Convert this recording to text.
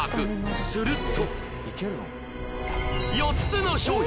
すると